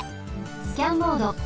スキャンモード。